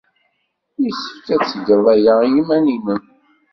Yessefk ad tged aya i yiman-nnem.